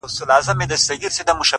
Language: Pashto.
ورته شعرونه وايم،